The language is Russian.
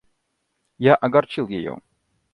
Я огорчил ее.